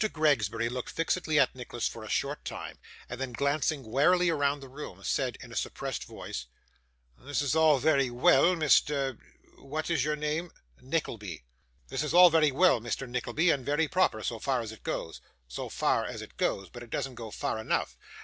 Gregsbury looked fixedly at Nicholas for a short time, and then glancing warily round the room, said in a suppressed voice: 'This is all very well, Mr what is your name?' 'Nickleby.' 'This is all very well, Mr. Nickleby, and very proper, so far as it goes so far as it goes, but it doesn't go far enough.